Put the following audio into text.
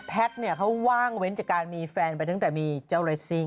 แพทย์เนี่ยเขาว่างเว้นจากการมีแฟนไปตั้งแต่มีเจ้าเรสซิ่ง